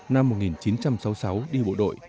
năm một nghìn chín trăm sáu mươi sáu đi bộ đội